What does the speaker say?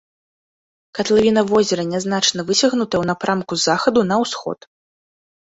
Катлавіна возера нязначна выцягнутая ў напрамку з захаду на ўсход.